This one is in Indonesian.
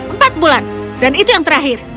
empat bulan dan itu yang terakhir